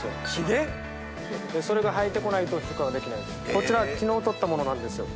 こちら昨日取ったものなんですよ。